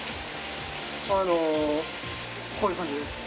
あのこういう感じです。